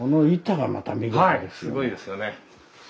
はいすごいですよね。